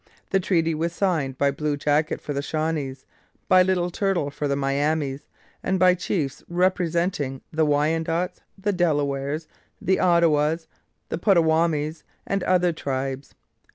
The treaty was signed by Blue Jacket for the Shawnees, by Little Turtle for the Miamis, and by chiefs representing the Wyandots, the Delawares, the Ottawas, the Potawatomis, and other tribes.